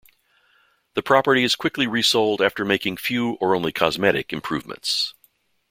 The property is quickly resold after making few, or only cosmetic, improvements.